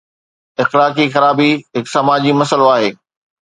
اخلاقي خرابي هڪ سماجي مسئلو آهي.